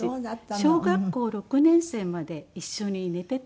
小学校６年生まで一緒に寝てたんですね。